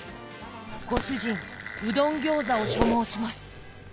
ご主人うどんギョーザを所望します！